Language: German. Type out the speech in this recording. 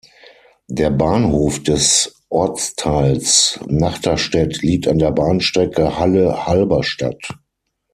Der Bahnhof des Ortsteils Nachterstedt liegt an der Bahnstrecke Halle–Halberstadt.